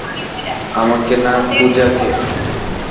আমাকে, না পূজাকে?